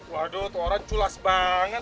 waduh tuh orang culas banget